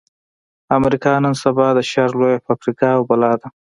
امريکا نن سبا د شر لويه فابريکه او بلا ده.